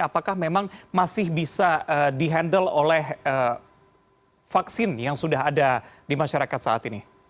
apakah memang masih bisa di handle oleh vaksin yang sudah ada di masyarakat saat ini